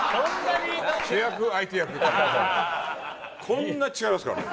こんな違いますからね。